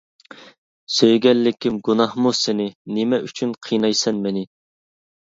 سۆيگەنلىكىم گۇناھمۇ سېنى، نېمە ئۈچۈن قىينايسەن مېنى.